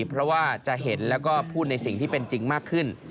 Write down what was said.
เพราะว่าจะเห็นแล้วก็พูดในสิ่งที่เป็นจริงมากขึ้น